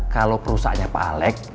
kalo perusahaannya palek